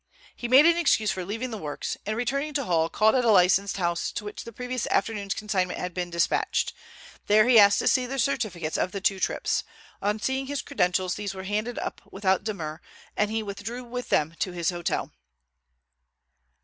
He made an excuse for leaving the works, and returning to Hull, called at the licensed house to which the previous afternoon's consignment had been dispatched. There he asked to see the certificates of the two trips. On seeing his credentials these were handed up without demur, and he withdrew with them to his hotel.